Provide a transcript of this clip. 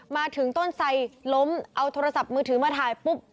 มาถึงต้นไสล้มเอาโทรศัพท์มือถือมาถ่ายปุ๊บ